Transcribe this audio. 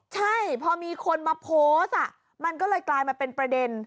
ใช่พอมีคนมาโพสต์มันก็เลยกลายมาเป็นประเด็น